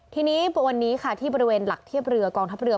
ทีนี้วันนี้ค่ะที่บริเวณหลักเทียบเรือกองทัพเรือ